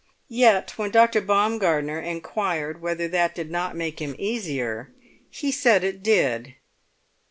Yet when Dr. Baumgartner inquired whether that did not make him easier, he said it did.